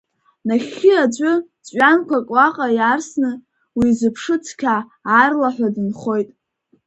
Нахьхьи аӡәы, ҵәҩанқәак уаҟа иарсны, уизыԥши цқьа, аарлаҳәа дынхоит.